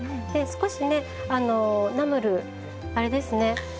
少しねナムルあれですね